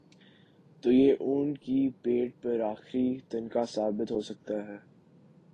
تو یہ اونٹ کی پیٹھ پر آخری تنکا ثابت ہو سکتا ہے۔